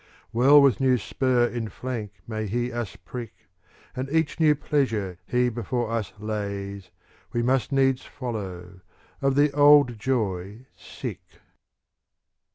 Well with new spur in flank may he us prick. And each new pleasure he before us lays. We must needs follow, of the old joy sick.